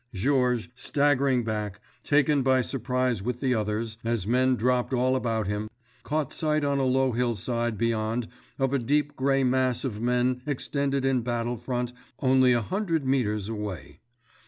Georges, staggering back, taken by surprise with the others, as men dropped all about him, caught sight on a low hillside beyond of a deep gray mass of men extended in battle front only a hundred meters away.